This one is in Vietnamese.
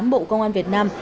bộ công an việt nam